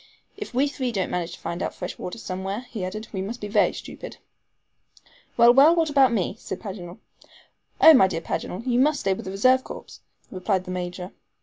"If we three don't manage to find out fresh water somewhere," he added, "we must be very stupid." "Well, well, and what about me?" said Paganel. "Oh, my dear Paganel, you must stay with the reserve corps," replied the Major.